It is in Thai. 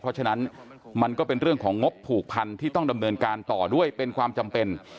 เพราะฉะนั้นมันก็เป็นเรื่องของงบผูกพันที่ต้องดำเนินการต่อด้วยเป็นความจำเป็น